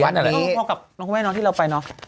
น้องคุณแม่น้องที่เราไปเนอะ